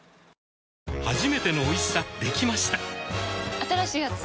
新しいやつ？